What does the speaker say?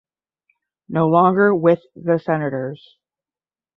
No longer with the Senators.